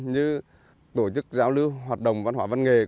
như tổ chức giao lưu hoạt động văn hóa văn nghệ